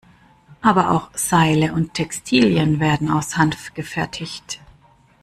Aber auch Seile und Textilien werden aus Hanf gefertigt.